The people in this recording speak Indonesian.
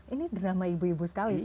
ini drama ibu ibu sekali